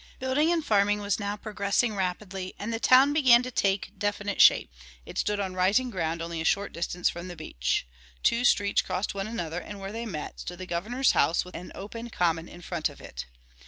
Building and farming was now progressing rapidly and the town began to take definite shape. It stood on rising ground only a short distance from the beach. Two streets crossed one another and where they met stood the Governor's house with an open common in front of it.